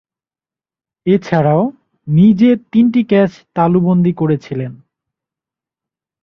এছাড়াও, নিজে তিনটি ক্যাচ তালুবন্দী করেছিলেন।